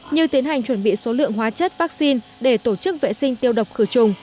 như tiến hành chuẩn bị số lượng hóa chất vaccine để tổ chức vệ sinh tiêu độc khử trùng